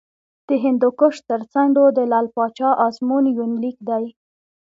د هندوکش تر څنډو د لعل پاچا ازمون یونلیک دی